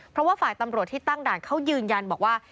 เพราะว่าฝ่ายตำรวจที่ตั้งด่านเขายืนยันบอกว่า